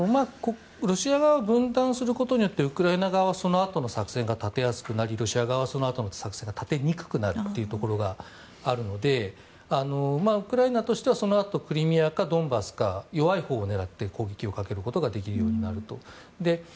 ロシア側を分断することによってウクライナ側はそのあとの作戦が立てやすくなりロシア側はそのあとの作戦が立てにくくなるというところがあるのでウクライナとしてはそのあと、クリミアかドンバスか弱いほうを狙って攻撃をかけることができるようになると。